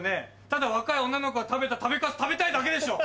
ただ若い女の子が食べた食べかす食べたいだけでしょ？